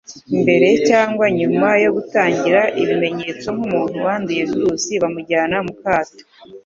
mbere cyangwa nyuma yo gutangira ibimenyetso kumuntu wanduye virusi bamujyana mukato